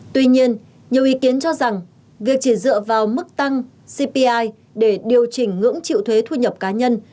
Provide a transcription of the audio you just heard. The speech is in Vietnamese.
tuy nhiên nhiều ý kiến cho rằng việc chỉ dựa vào mức tăng cpi để điều chỉnh ngưỡng chịu thuế thu nhập cá nhân